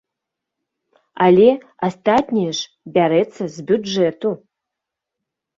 Але астатняе ж бярэцца з бюджэту!